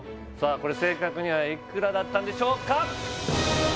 これ正確にはいくらだったんでしょうか？